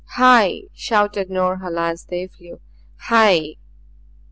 "Hai!" shouted Norhala as they flew. "Hai!"